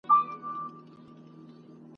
په یوه خېز د کوهي سرته سو پورته !.